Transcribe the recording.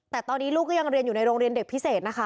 แต่ตอนนี้ลูกก็ยังเรียนอยู่ในโรงเรียนเด็กพิเศษนะคะ